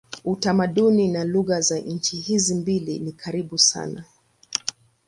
Utamaduni na lugha za nchi hizi mbili ni karibu sana.